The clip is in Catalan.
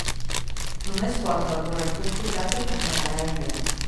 Només porta el corrector ortogràfic en català i anglès.